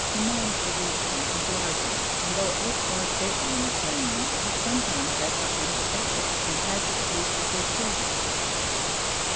Imam Sharif's tent was larger, and though it looked more stately in a plain, he sometimes had not room to pitch it, and had to sleep with his servants.